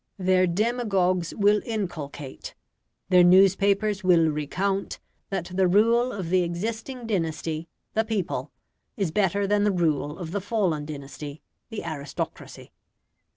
Their demagogues will inculcate, their newspapers will recount, that the rule of the existing dynasty (the people) is better than the rule of the fallen dynasty (the aristocracy).